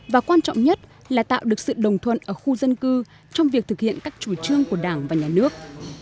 và quan trọng nhất là tạo được sự đồng thuận ở khu dân cư trong việc thực hiện các chủ trương của đảng và nhà nước